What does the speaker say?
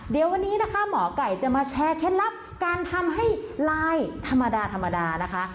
เดี๋ยววันนี้นะคะหมอไก่จะมาแชร์เคล็ดลับการทำให้ไลน์ธรรมดาธรรมดานะคะ